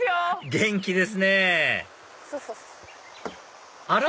元気ですねあら？